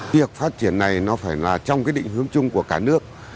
việc phát triển này nó phải là trong cái định hướng chung của cả nước